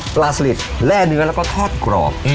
ปลาสลิดแร่เนื้อแล้วก็ทอดกรอบ